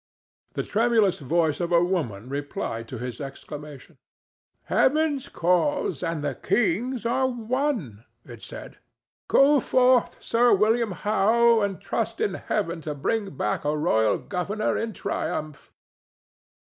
The tremulous voice of a woman replied to his exclamation. "Heaven's cause and the king's are one," it said. "Go forth, Sir William Howe, and trust in Heaven to bring back a royal governor in triumph."